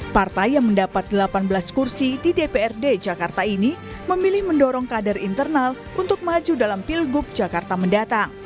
partai yang mendapat delapan belas kursi di dprd jakarta ini memilih mendorong kader internal untuk maju dalam pilgub jakarta mendatang